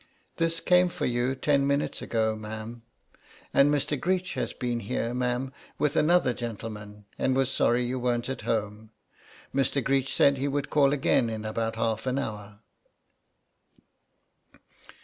"This came for you ten minutes ago, ma'am, and Mr. Greech has been here, ma'am, with another gentleman, and was sorry you weren't at home. Mr. Greech said he would call again in about half an hour."